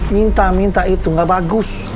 minta minta itu gak bagus